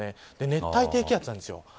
熱帯低気圧なんです。